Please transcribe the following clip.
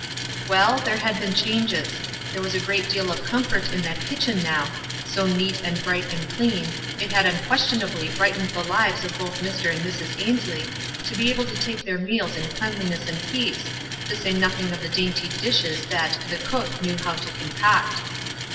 Well, there had been changes. There was a great deal of comfort in that kitchen now ; so neat and bright and clean, it had unquestiona bly brightened the lives of both Mr. and Mrs. Ainslie to be able to take their meals in clean liness and peace, to say nothing of the dainty dishes that "the cook" knew how to concoct.